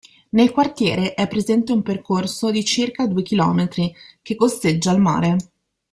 Nel quartiere è presente un percorso di circa due chilometri, che costeggia il mare.